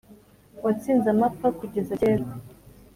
watsinze amapfa kugeza kera